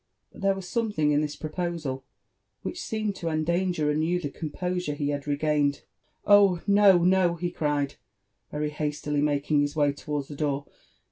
But there was something in this proposal which seemed to endangar anew the composure he had regained. |g <' Oh, no, nal" he cried, very hastily making his way towards the door.